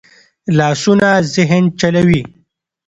لاسونه ذهن چلوي